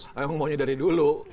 emang maunya dari dulu